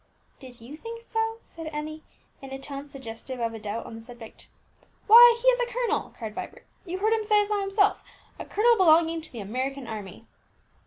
"Did you think so?" said Emmie, in a tone suggestive of a doubt on the subject. "Why, he is a colonel," cried Vibert; "you heard him say so himself, a colonel belonging to the American army."